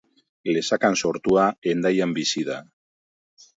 Lesakan sortua, Hendaian bizi da.